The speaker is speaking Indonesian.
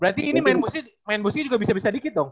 berarti ini main musik juga bisa bisa dikit dong